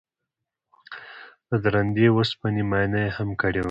د درندې وسپنې معاینه یې هم کړې وه